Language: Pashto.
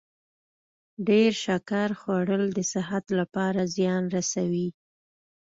ډیر شکر خوړل د صحت لپاره زیان رسوي.